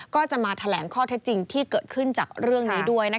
ก็จะมาแถลงข้อเท็จจริงที่เกิดขึ้นจากเรื่องนี้ด้วย